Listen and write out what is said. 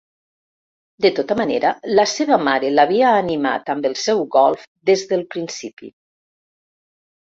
De tota manera, la seva mare l'havia animat amb el seu golf des del principi.